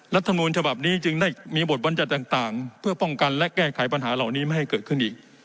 รัฐมนูลฉบับนี้จึงได้มีบทบรรยัติต่างเพื่อป้องกันและแก้ไขปัญหาเหล่านี้ไม่ให้เกิดขึ้นอีก